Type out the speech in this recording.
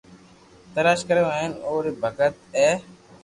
تلاݾ ڪريو ھي ھين اي ڀگت اي